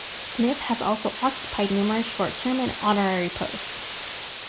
Smith has also occupied numerous short-term and honorary posts.